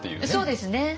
そうですね。